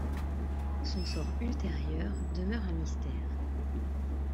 Son sort ultérieur demeure un mystère.